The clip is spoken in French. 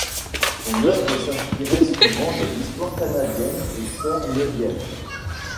Son œuvre s'inspirait souvent de l'histoire canadienne et terre-neuvienne.